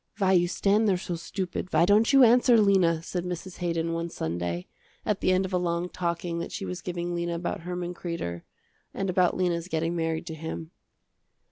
"Why you stand there so stupid, why don't you answer, Lena," said Mrs. Haydon one Sunday, at the end of a long talking that she was giving Lena about Herman Kreder, and about Lena's getting married to him.